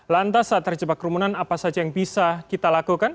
lantas saat terjebak kerumunan apa saja yang bisa kita lakukan